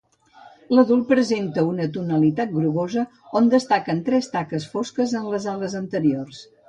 L’adult presenta una tonalitat grogosa on destaquen tres taques fosques en les ales anteriors.